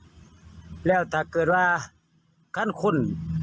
แล้วถ้าเกิดว่าระการคน